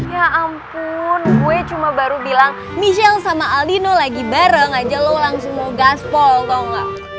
ya ampun gue cuma baru bilang michelle sama aldino lagi bareng aja lo langsung mau gaspol tau gak